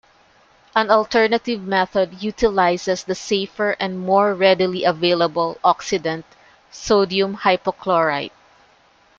An alternative method utilizes the safer and more readily available oxidant sodium hypochlorite.